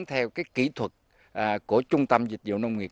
theo kỹ thuật của trung tâm dịch vụ nông nghiệp